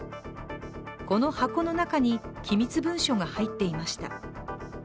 この箱の中に、機密文書が入っていました。